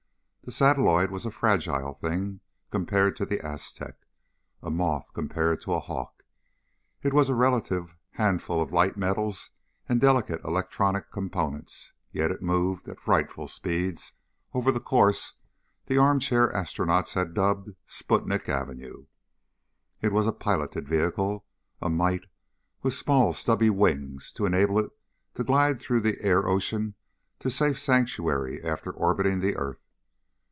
The satelloid was a fragile thing compared to the Aztec a moth compared to a hawk. It was a relative handful of light metals and delicate electronic components, yet it moved at frightful speeds over the course the armchair astronauts had dubbed "Sputnik Avenue." It was a piloted vehicle, a mite with small stubby wings to enable it to glide through the air ocean to safe sanctuary after orbiting the earth.